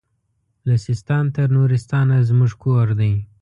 له سیستان تر نورستانه زموږ کور دی